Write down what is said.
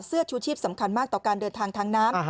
ชูชีพสำคัญมากต่อการเดินทางทางน้ำ